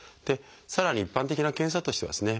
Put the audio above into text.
さらに一般的な検査としてはですね